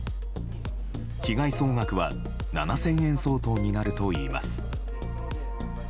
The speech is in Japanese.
被害総額は７０００円相当になるといいます。